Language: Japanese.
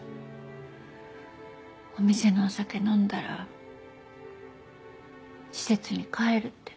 お店のお酒飲んだら施設に帰るって。